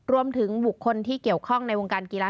รวมถึงบุคคลที่เกี่ยวข้องในวงการกีฬา